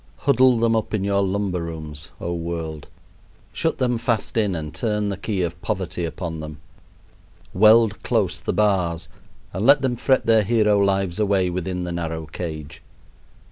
Huddle them up in your lumber rooms, oh, world! Shut them fast in and turn the key of poverty upon them. Weld close the bars, and let them fret their hero lives away within the narrow cage.